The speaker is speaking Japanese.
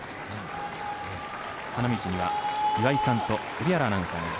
花道には岩井さんと海老原アナウンサーです。